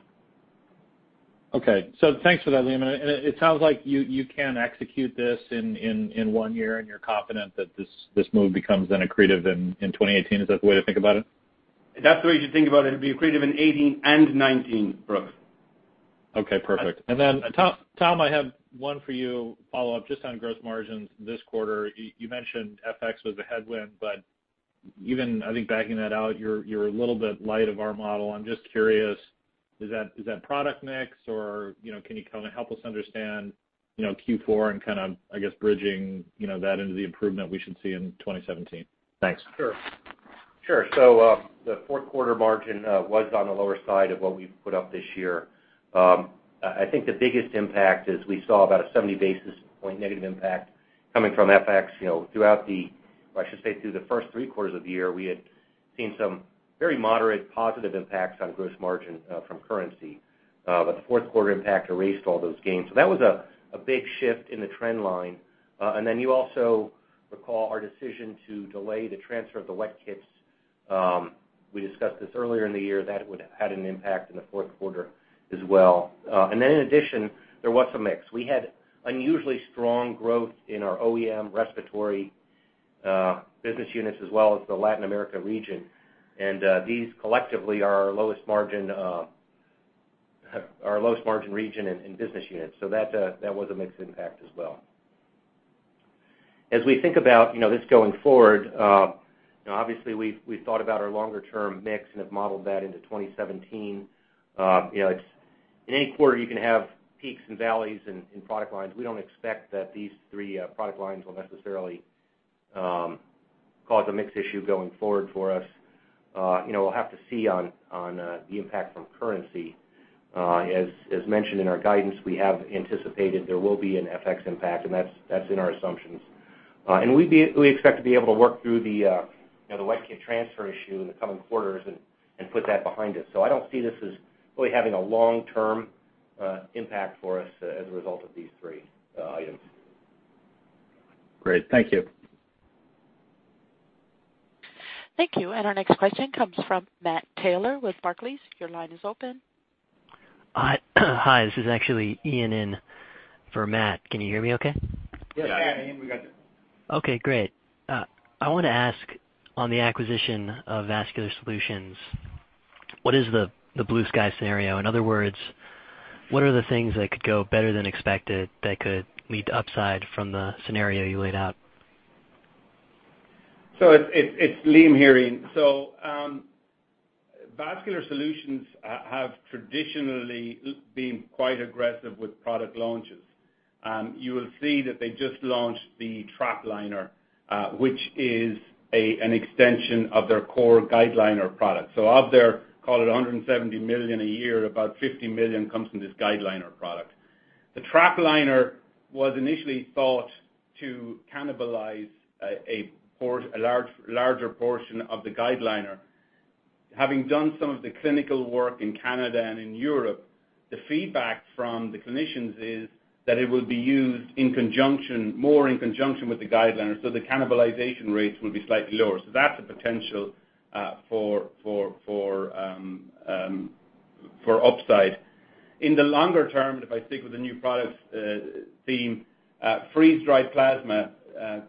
Thanks for that, Liam, it sounds like you can execute this in one year, you're confident that this move becomes then accretive in 2018. Is that the way to think about it? That's the way you should think about it. It'll be accretive in 2018 and 2019, Brooks. Perfect. Then Tom, I have one for you, follow-up just on gross margins this quarter. You mentioned FX was a headwind, even I think backing that out, you're a little bit light of our model. I'm just curious, is that product mix or can you kind of help us understand Q4 and I guess bridging that into the improvement we should see in 2017? Thanks. Sure. The fourth quarter margin was on the lower side of what we've put up this year. I think the biggest impact is we saw about a 70 basis points negative impact coming from FX. Through the first three quarters of the year, we had seen some very moderate positive impacts on gross margin from currency. The fourth quarter impact erased all those gains. That was a big shift in the trend line. You also recall our decision to delay the transfer of the Weck kits. We discussed this earlier in the year. That would've had an impact in the fourth quarter as well. In addition, there was some mix. We had unusually strong growth in our OEM respiratory business units, as well as the Latin America region. These collectively are our lowest margin region and business units. That was a mixed impact as well. As we think about this going forward, obviously we've thought about our longer term mix and have modeled that into 2017. In any quarter, you can have peaks and valleys in product lines. We don't expect that these three product lines will necessarily cause a mix issue going forward for us. We'll have to see on the impact from currency. As mentioned in our guidance, we have anticipated there will be an FX impact, and that's in our assumptions. We expect to be able to work through the Weck kit transfer issue in the coming quarters and put that behind us. I don't see this as really having a long-term impact for us as a result of these three items. Great. Thank you. Thank you. Our next question comes from Matthew Taylor with Barclays. Your line is open. Hi. This is actually Ian in for Matt. Can you hear me okay? Yes, Ian, we got you. Okay, great. I want to ask on the acquisition of Vascular Solutions, what is the blue sky scenario? In other words, what are the things that could go better than expected that could lead to upside from the scenario you laid out? It's Liam here, Ian. Vascular Solutions have traditionally been quite aggressive with product launches. You will see that they just launched the TrapLiner, which is an extension of their core GuideLiner product. Of their, call it $170 million a year, about $50 million comes from this GuideLiner product. The TrapLiner was initially thought to cannibalize a larger portion of the GuideLiner. Having done some of the clinical work in Canada and in Europe, the feedback from the clinicians is that it will be used more in conjunction with the GuideLiner, so the cannibalization rates will be slightly lower. That's a potential for upside. In the longer term, if I stick with the new products theme, freeze-dried plasma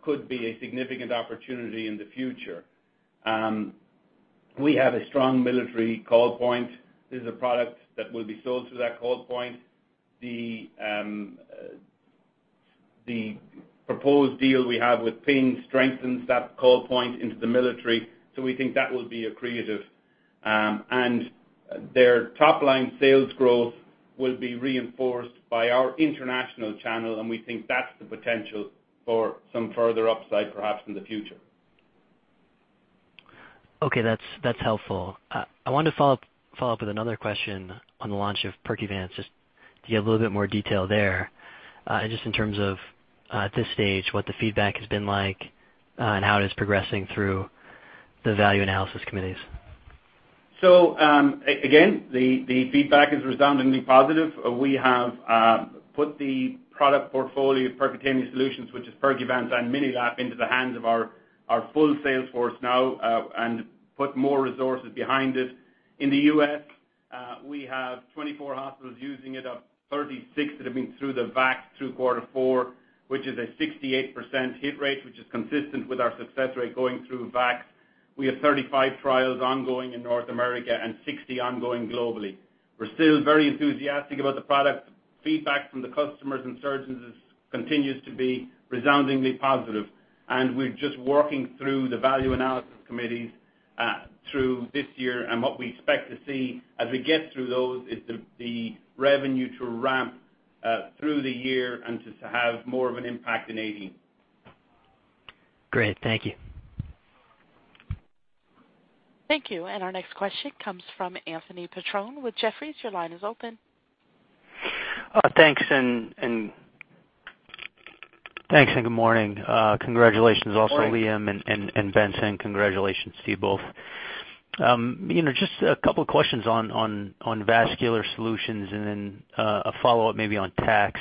could be a significant opportunity in the future. We have a strong military call point. This is a product that will be sold through that call point. The proposed deal we have with Pyng strengthens that call point into the military. We think that will be accretive. Their top-line sales growth will be reinforced by our international channel, and we think that's the potential for some further upside perhaps in the future. Okay. That's helpful. I wanted to follow up with another question on the launch of Percuvance, just to get a little bit more detail there. Just in terms of, at this stage, what the feedback has been like, and how it is progressing through the value analysis committees. Again, the feedback is resoundingly positive. We have put the product portfolio of Percutaneous Solutions, which is Percuvance and MiniLap into the hands of our full sales force now, and put more resources behind it. In the U.S., we have 24 hospitals using it, up 36 that have been through the VAC through quarter four, which is a 68% hit rate, which is consistent with our success rate going through VAC. We have 35 trials ongoing in North America and 60 ongoing globally. We're still very enthusiastic about the product. Feedback from the customers and surgeons continues to be resoundingly positive, and we're just working through the value analysis committees through this year. What we expect to see as we get through those is the revenue to ramp through the year and to have more of an impact in 2018. Great. Thank you. Thank you. Our next question comes from Anthony Petrone with Jefferies. Your line is open. Thanks, good morning. Good morning. Congratulations also, Liam and Benson. Congratulations to you both. Just a couple questions on Vascular Solutions, then a follow-up maybe on tax.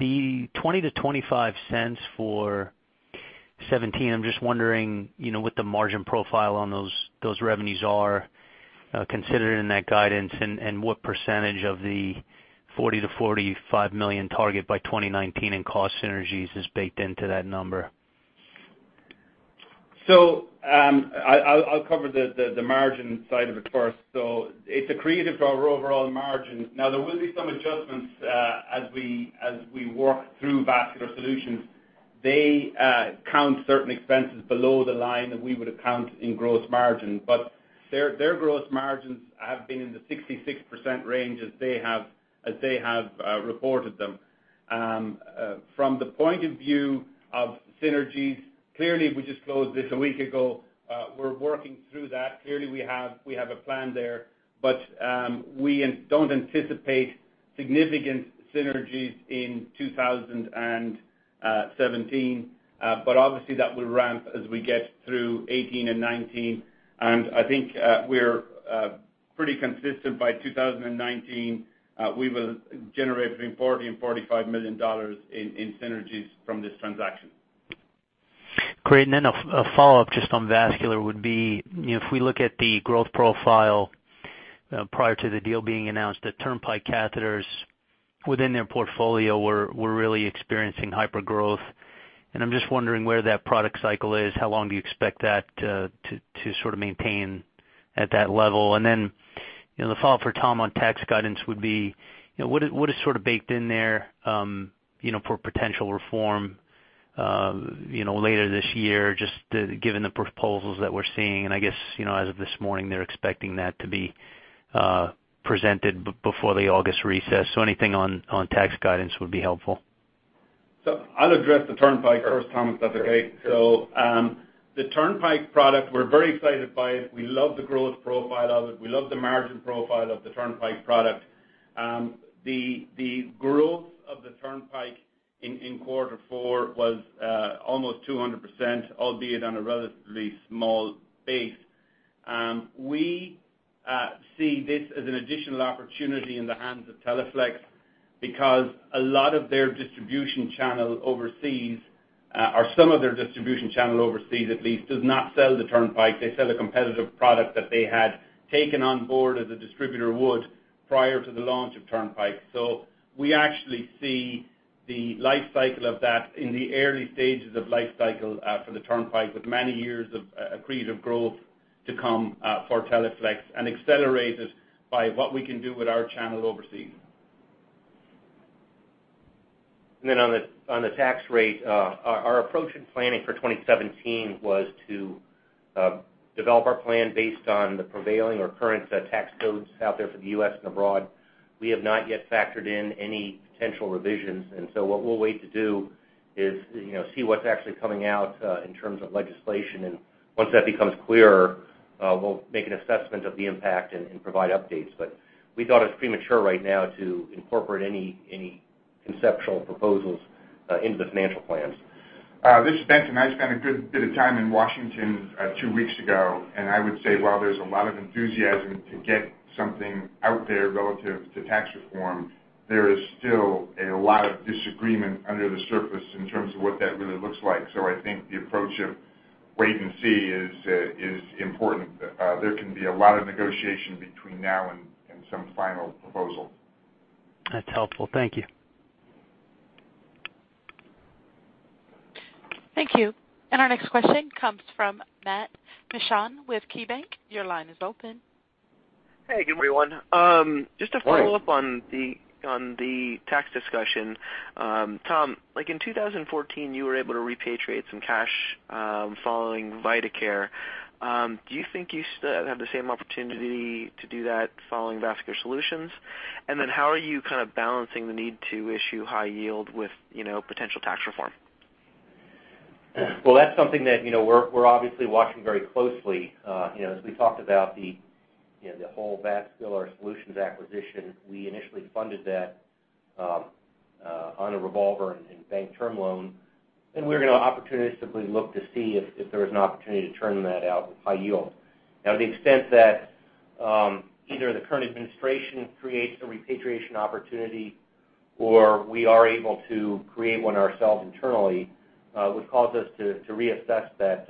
The $0.20-$0.25 for 2017, I'm just wondering what the margin profile on those revenues are considered in that guidance, what percentage of the $40 million-$45 million target by 2019 in cost synergies is baked into that number. I'll cover the margin side of it first. It's accretive to our overall margins. Now, there will be some adjustments as we work through Vascular Solutions. They count certain expenses below the line that we would account in gross margin. Their gross margins have been in the 66% range as they have reported them. From the point of view of synergies, we just closed this a week ago. We're working through that. We have a plan there, but we don't anticipate significant synergies in 2017. Obviously that will ramp as we get through 2018 and 2019. I think we're pretty consistent by 2019. We will generate between $40 million and $45 million in synergies from this transaction. Great. A follow-up just on Vascular would be, if we look at the growth profile prior to the deal being announced, the Turnpike catheters within their portfolio were really experiencing hypergrowth, and I'm just wondering where that product cycle is. How long do you expect that to sort of maintain at that level? The follow-up for Tom on tax guidance would be, what is sort of baked in there for potential reform later this year, just given the proposals that we're seeing? I guess as of this morning, they're expecting that to be presented before the August recess. Anything on tax guidance would be helpful. I'll address the Turnpike first, Tom, if that's okay. The Turnpike product, we're very excited by it. We love the growth profile of it. We love the margin profile of the Turnpike product. The growth of the Turnpike in quarter four was almost 200%, albeit on a relatively small base. We see this as an additional opportunity in the hands of Teleflex because a lot of their distribution channel overseas, or some of their distribution channel overseas at least, does not sell the Turnpike. They sell a competitive product that they had taken on board as a distributor would prior to the launch of Turnpike. We actually see the life cycle of that in the early stages of life cycle for the Turnpike, with many years of accretive growth to come for Teleflex and accelerated by what we can do with our channel overseas. On the tax rate, our approach in planning for 2017 was to develop our plan based on the prevailing or current tax codes out there for the U.S. and abroad. We have not yet factored in any potential revisions, what we'll wait to do We'll see what's actually coming out in terms of legislation. Once that becomes clearer, we'll make an assessment of the impact and provide updates. We thought it was premature right now to incorporate any conceptual proposals into the financial plans. This is Benson. I spent a good bit of time in Washington two weeks ago. I would say while there's a lot of enthusiasm to get something out there relative to tax reform, there is still a lot of disagreement under the surface in terms of what that really looks like. I think the approach of wait and see is important. There can be a lot of negotiation between now and some final proposal. That's helpful. Thank you. Thank you. Our next question comes from Matt Mishan with KeyBanc. Your line is open. Hey, good morning, everyone. Just a follow-up on the tax discussion. Tom, like in 2014, you were able to repatriate some cash, following Vidacare. Do you think you still have the same opportunity to do that following Vascular Solutions? How are you kind of balancing the need to issue high yield with potential tax reform? That's something that we're obviously watching very closely. As we talked about the whole Vascular Solutions acquisition, we initially funded that on a revolver and bank term loan. We're going to opportunistically look to see if there is an opportunity to turn that out with high yield. To the extent that either the current administration creates a repatriation opportunity or we are able to create one ourselves internally, would cause us to reassess that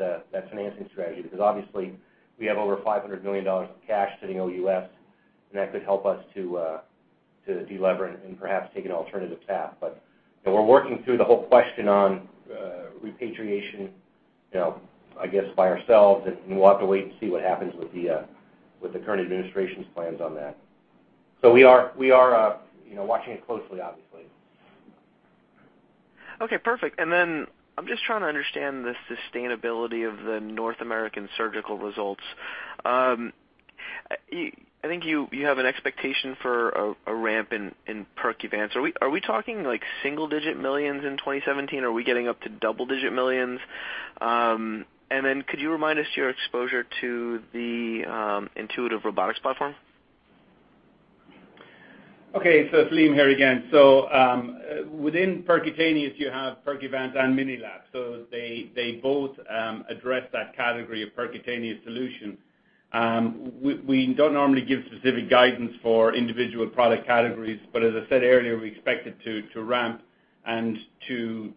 financing strategy. Obviously, we have over $500 million of cash sitting OUS, and that could help us to delever and perhaps take an alternative path. We're working through the whole question on repatriation, I guess, by ourselves. We'll have to wait and see what happens with the current administration's plans on that. We are watching it closely, obviously. Perfect. I'm just trying to understand the sustainability of the North American surgical results. I think you have an expectation for a ramp in Percuvance. Are we talking like single-digit millions in 2017? Are we getting up to double-digit millions? Could you remind us your exposure to the Intuitive Robotics platform? It's Liam here again. Within percutaneous, you have Percuvance and MiniLap. They both address that category of percutaneous solution. We don't normally give specific guidance for individual product categories, but as I said earlier, we expect it to ramp and to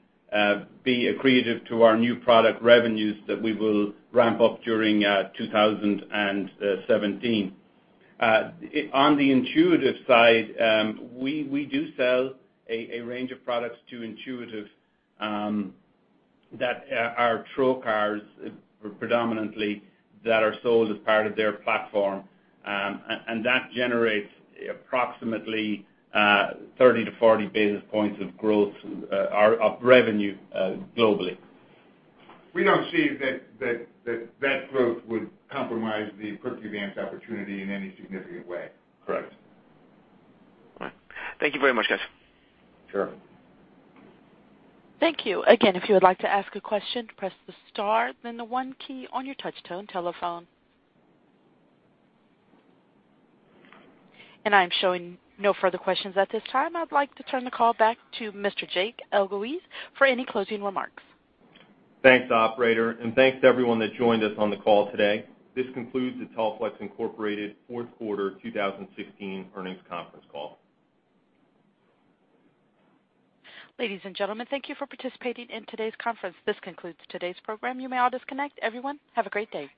be accretive to our new product revenues that we will ramp up during 2017. On the Intuitive side, we do sell a range of products to Intuitive that are trocars predominantly that are sold as part of their platform. That generates approximately 30 to 40 basis points of growth of revenue globally. We don't see that that growth would compromise the Percuvance opportunity in any significant way. Correct. All right. Thank you very much, guys. Sure. Thank you. Again, if you would like to ask a question, press the star, then the one key on your touch-tone telephone. I am showing no further questions at this time. I'd like to turn the call back to Mr. Jake Elguicze for any closing remarks. Thanks, operator, and thanks to everyone that joined us on the call today. This concludes the Teleflex Incorporated fourth quarter 2016 earnings conference call. Ladies and gentlemen, thank you for participating in today's conference. This concludes today's program. You may all disconnect. Everyone, have a great day.